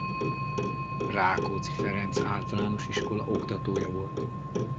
Rákóczi Ferenc Általános Iskola oktatója volt.